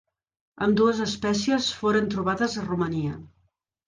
Ambdues espècies foren trobades a Romania.